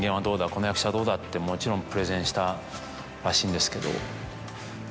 この役者はどうだ？ってもちろんプレゼンしたらしいんですけど。